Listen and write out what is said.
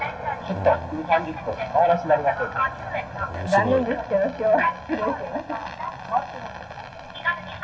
残念ですけど、今日は。